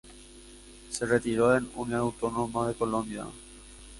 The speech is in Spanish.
Se retiró en Uniautónoma de Colombia.